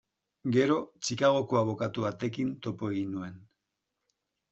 Gero, Chicagoko abokatu batekin topo egin nuen.